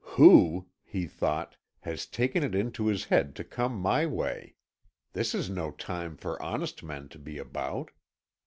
"Who," he thought, "has taken it into his head to come my way? This is no time for honest men to be about."